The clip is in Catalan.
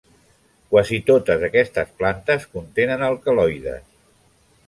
Quasi totes aquestes plantes contenen alcaloides.